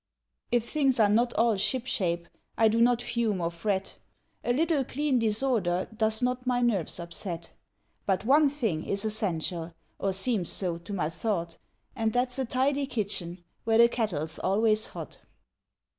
If things are not all ship shape, I do not fume or fret, A little clean disorder Does not my nerves upset. But one thing is essential, Or seems so to my thought, And that's a tidy kitchen Where the kettle's always hot.